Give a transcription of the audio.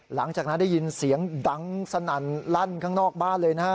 หลังจากนั้นได้ยินเสียงดังสนั่นลั่นข้างนอกบ้านเลยนะฮะ